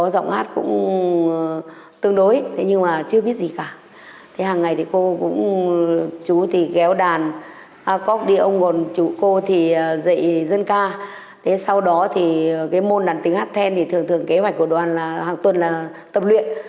sau đó thì cái môn đàn tính hát then thì thường thường kế hoạch của đoàn là hàng tuần là tập luyện